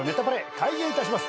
開演いたします。